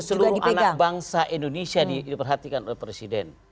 ini menyangkut ke seluruh anak bangsa indonesia diperhatikan oleh presiden